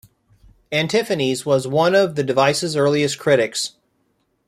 Antiphanes was one of the device's earliest critics.